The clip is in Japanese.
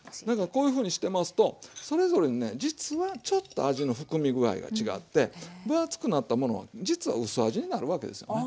こういうふうにしてますとそれぞれにね実はちょっと味の含み具合が違って分厚くなったものは実は薄味になるわけですよね。